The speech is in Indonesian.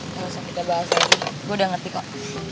gak usah kita bahas lagi gue udah ngerti kok